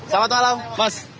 selamat malam mas